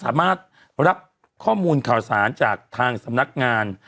สามารถรับข้อมูลข่าวสารจากทางสำนักงาน